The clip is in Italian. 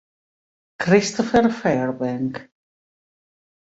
Christopher Fairbank